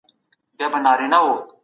موږ د خوراکي توکو د کمښت سره مخ یو.